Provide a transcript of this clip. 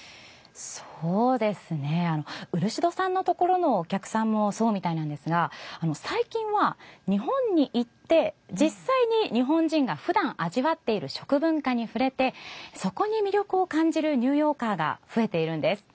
漆戸さんのところのお客さんもそうみたいなんですが最近は、日本に行って実際に日本人がふだん味わっている食文化に触れてそこに魅力を感じるニューヨーカーが増えているんです。